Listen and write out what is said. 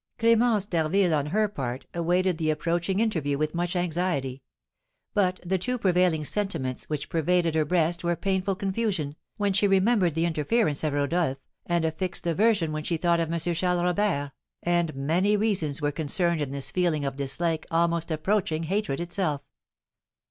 Clémence d'Harville, on her part, awaited the approaching interview with much anxiety; but the two prevailing sentiments which pervaded her breast were painful confusion, when she remembered the interference of Rodolph, and a fixed aversion when she thought of M. Charles Robert, and many reasons were concerned in this feeling of dislike almost approaching hatred itself.